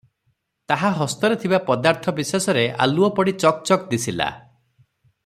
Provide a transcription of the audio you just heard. ତାହା ହସ୍ତରେ ଥିବା ପଦାର୍ଥ ବିଶେଷରେ ଆଲୁଅ ପଡ଼ି ଚକ୍ ଚକ୍ ଦିଶିଲା ।